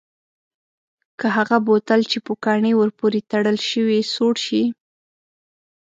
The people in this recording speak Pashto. که هغه بوتل چې پوکڼۍ ور پورې تړل شوې سوړ شي؟